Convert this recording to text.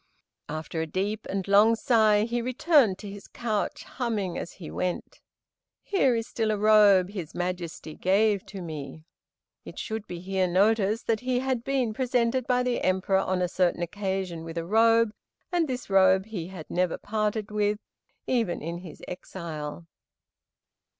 After a deep and long sigh, he returned to his couch, humming as he went: "Here is still a robe His Majesty gave to me." It should be here noticed that he had been presented by the Emperor on a certain occasion with a robe, and this robe he had never parted with, even in his exile.